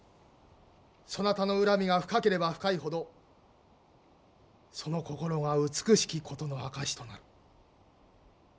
そなたの恨みが深ければ深いほどその心が美しきことの証しとなる。